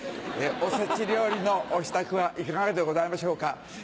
おせち料理のお支度はいかがでございましょうか。